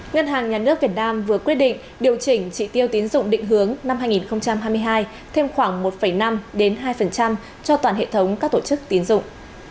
ngân hàng nhà nước việt nam vừa quyết định điều chỉnh trị tiêu tín dụng định hướng năm hai nghìn hai mươi hai thêm khoảng một năm hai cho toàn hệ thống các tổ chức tiến dụng